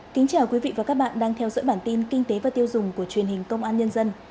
kính chào quý vị và các bạn đang theo dõi bản tin kinh tế và tiêu dùng của truyền hình công an nhân dân